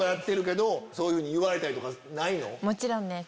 もちろんです。